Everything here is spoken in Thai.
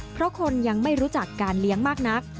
เพราะคนยังไม่รู้จักการเลี้ยงมากนัก